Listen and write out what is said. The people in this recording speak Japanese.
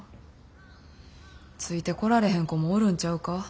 ついてこられへん子もおるんちゃうか？